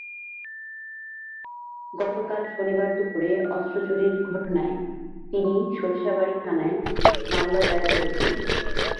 গতকাল শনিবার দুপুরে অস্ত্র চুরির ঘটনায় তিনি সরিষাবাড়ী থানায় মামলা দায়ের করেছেন।